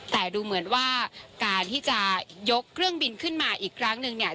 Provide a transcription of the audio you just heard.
แต่ดูเหมือนว่าการที่จะยกเครื่องบินขึ้นมาอีกครั้งหนึ่งเนี่ย